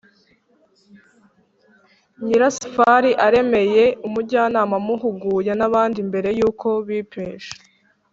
nyirasafari aremeye. umujyanama amuhuguye n’abandi mbere yuko bipimisha.